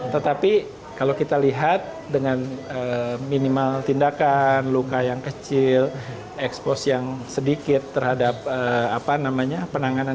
tetapi kalau kita lihat dengan minimal tindakan luka yang kecil ekspos yang sedikit terhadap penanganan